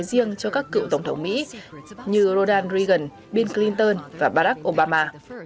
chúng tôi đã làm cho các cựu tổng thống mỹ như rodan reagan bill clinton và barack obama